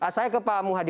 saya ke pak muhadi